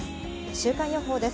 週間予報です。